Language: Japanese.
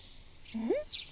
うん？